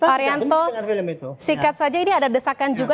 arianto sikat saja ini ada desakan juga